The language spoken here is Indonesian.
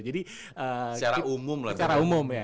jadi secara umum ya